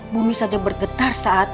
bumi saja bergetar saat